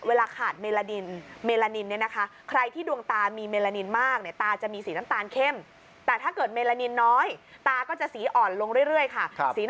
เวลาขาดมีเมลานิน